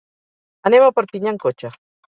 Anem a Perpinyà en cotxe.